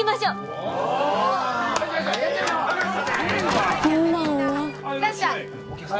ああいらっしゃい。